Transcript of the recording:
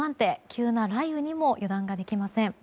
急な雷雨にも油断ができません。